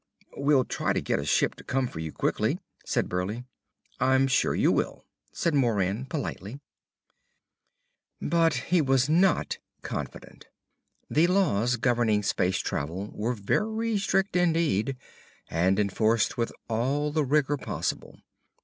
"We'll try to get a ship to come for you, quickly," said Burleigh. "I'm sure you will," said Moran politely. But he was not confident. The laws governing space travel were very strict indeed, and enforced with all the rigor possible.